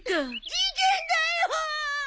事件だよっ！